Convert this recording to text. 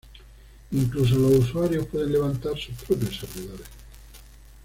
Incluso los usuarios puede levantar sus propios servidores.